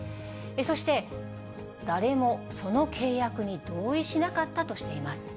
そして誰もその契約に同意しなかったとしています。